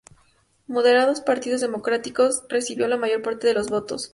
Moderado partidos democráticos recibió la mayor parte de los votos.